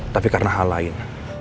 tapi karena hal lain